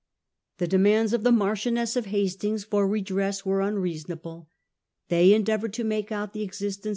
The demands of the Marchioness of Hastings for redress were unreasonable. They endeavoured to make out the existence.